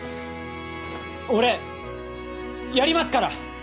俺やりますから。